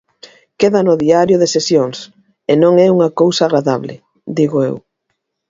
Queda no Diario de Sesións, e non é unha cousa agradable, digo eu.